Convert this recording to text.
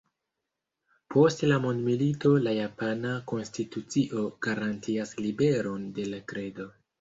Post la mondomilito la japana konstitucio garantias liberon de la kredo.